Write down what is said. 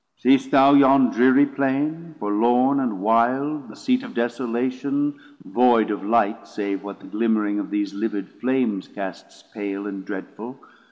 Seest thou yon dreary Plain, forlorn and wilde, 180 The seat of desolation, voyd of light, Save what the glimmering of these livid flames Casts pale and dreadful?